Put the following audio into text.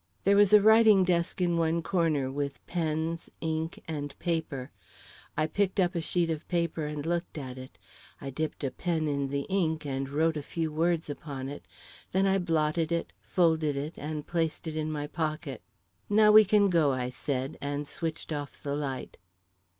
There was a writing desk in one corner, with pens, ink, and paper. I picked up a sheet of paper and looked at it; I dipped a pen in the ink and wrote a few words upon it; then I blotted it, folded it, and placed it in my pocket. "Now we can go," I said, and switched off the light.